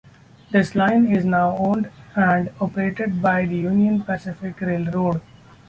This line is now owned and operated by the Union Pacific Railroad.